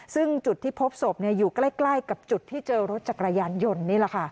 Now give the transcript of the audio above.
ซึ่งจุดที่พบศพอยู่ใกล้กับจุดที่เจอรถจักรยานยนต์นี่แหละค่ะ